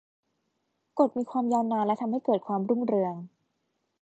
กฏมีความยาวนานและทำให้เกิดความรุ่งเรือง